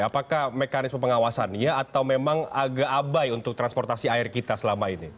apakah mekanisme pengawasannya atau memang agak abai untuk transportasi air kita selama ini